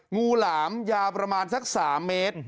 งูหลามยาวประมาณสัก๓เมตร